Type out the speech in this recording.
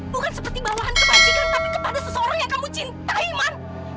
bukan seperti bawaan kebajikan tapi kepada seseorang yang kamu cintai man